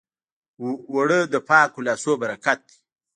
اوړه د پاکو لاسو برکت دی